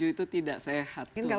tujuh itu tidak sehat